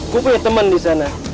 gue punya teman di sana